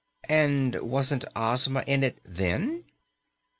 "And wasn't Ozma in it then?"